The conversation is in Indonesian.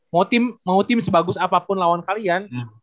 mau tim sebagus apapun lawan kalian